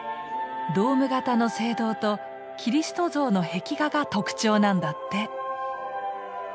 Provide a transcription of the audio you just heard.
ドーム形の聖堂とキリスト像の壁画が特徴なんだって。